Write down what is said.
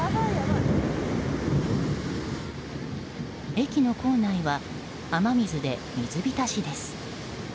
駅の構内は雨水で水浸しです。